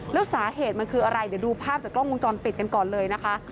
แล้วสาเหตุมันคืออะไรเดี๋ยวดูภาพจากกล้องวงจรปิดกันก่อนเลยนะคะ